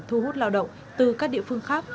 thu hút lao động từ các địa phương khác